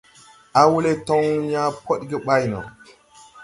Awelɛ tɔŋ yãã pɔɗge ɓay no.